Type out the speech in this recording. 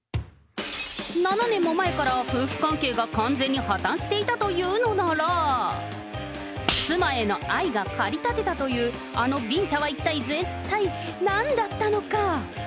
７年も前から夫婦関係が完全に破綻していたというのなら、妻への愛が駆り立てたというあのビンタは一体全体、なんだったのか。